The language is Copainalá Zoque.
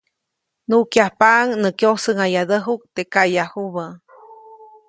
Nuʼkyajpaʼuŋ nä kyosäʼŋadäjuʼk teʼ kaʼyajubä.